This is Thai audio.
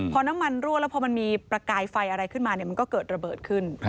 พอน้ำมันรั่วแล้วพอมันมีประกายไฟอะไรขึ้นมามันก็เกิดระเบิดขึ้น